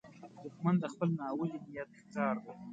دښمن د خپل ناولي نیت ښکار دی